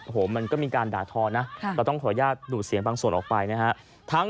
โอ้โหมันก็มีการด่าทอนะเราต้องขออนุญาตดูดเสียงบางส่วนออกไปนะฮะ